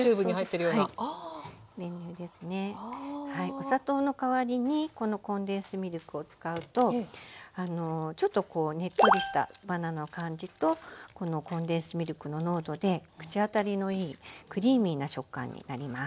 お砂糖の代わりにこのコンデンスミルクを使うとちょっとこうねっとりしたバナナの感じとこのコンデンスミルクの濃度で口当たりのいいクリーミーな食感になります。